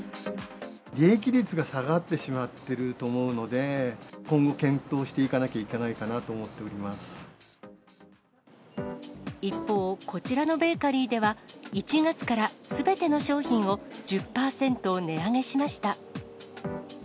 利益率が下がってしまってると思うので、今後、検討していかなきゃいけないかなと思っており一方、こちらのベーカリーでは、１月からすべての商品を１０％値上げしました。